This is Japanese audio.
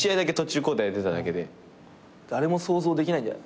誰も想像できないんじゃない？